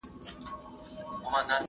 نیوي؛ نهه ډلي دي.